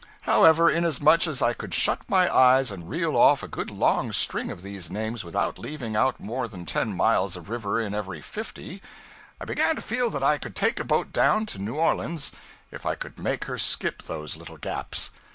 However, inasmuch as I could shut my eyes and reel off a good long string of these names without leaving out more than ten miles of river in every fifty, I began to feel that I could take a boat down to New Orleans if I could make her skip those little gaps.